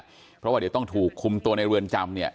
เพราะว่าเดี๋ยวต้องถูกคุมตัวในเรือนจำเนี่ย